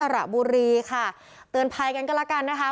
ระบุรีค่ะเตือนภัยกันก็แล้วกันนะคะ